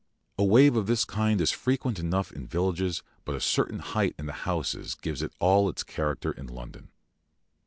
A wave of this kind is frequent enough in villages, but a certain height in the houses gives it all its character in London.